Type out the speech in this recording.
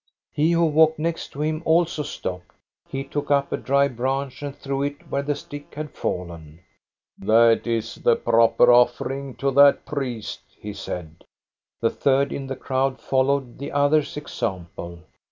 He who walked next to him also stopped. He took up a dry branch and threw it where the stick had fallen. That is the proper offering to that priest," he said. The third in the crowd followed the others' example.